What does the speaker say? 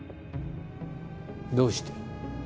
どうして？